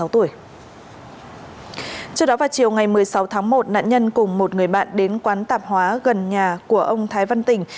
trước đó vào chiều ngày một mươi sáu tháng một nạn nhân cùng một người bạn đến quán tạp hóa gần nhà của ông thái văn tình